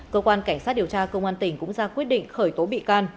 cơ quan cảnh sát điều tra công an tỉnh cũng ra quyết định khởi tố bị can